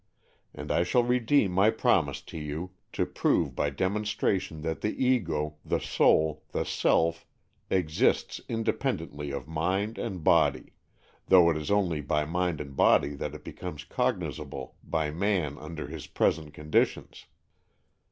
And I shall redeem my promise to you — to prove by demonstration that the Ego, the soul, the self, exists independently of mind and body, though it is only by mind and body that it becomes cognizable by man under his present conditions.